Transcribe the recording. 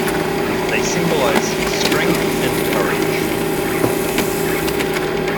They symbolise strength and courage.